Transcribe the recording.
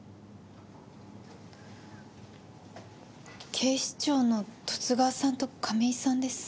警視庁の十津川さんと亀井さんです。